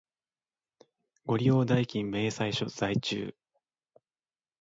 ご利用代金明細書在中